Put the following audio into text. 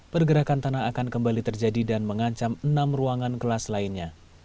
pergerakan tanah akan kembali terjadi dan mengancam enam ruangan kelas lainnya